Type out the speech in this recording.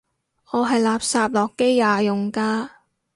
我係垃圾諾基亞用家